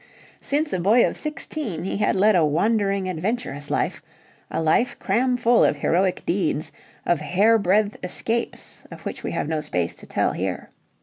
Since a boy of sixteen he had led a wandering adventurous life a life cramful of heroic deeds, of hairbreadth escapes of which we have no space to tell here.